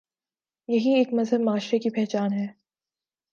یہی ایک مہذب معاشرے کی پہچان ہے۔